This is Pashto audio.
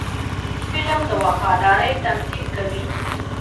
فلم د وفادارۍ تمثیل کوي